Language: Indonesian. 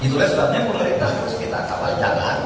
itulah sebabnya pemerintah harus kita kawal jalan